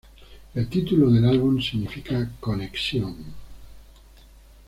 El título del álbum significa "conexión".